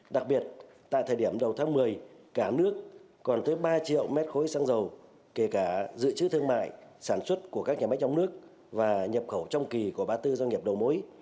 đặc biệt tại thời điểm đầu tháng một mươi cả nước còn tới ba triệu mét khối xăng dầu kể cả dự trữ thương mại sản xuất của các nhà máy trong nước và nhập khẩu trong kỳ của ba mươi bốn doanh nghiệp đầu mối